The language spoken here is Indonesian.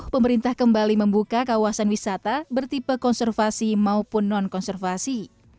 pemerintah kembali membuka kawasan wisata bertipe konservasi maupun non konservasi